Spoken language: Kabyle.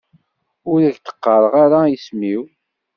Ur ak-d-qqareɣ ara isem-iw.